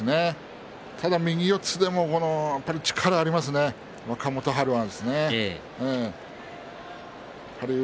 右四つでも力がありますね、若元春は。